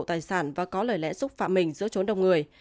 trong bộ tài sản và có lời lẽ xúc phạm mình giữa chốn đồng người